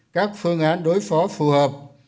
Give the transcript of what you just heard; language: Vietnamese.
các phương án đối phó phù hợp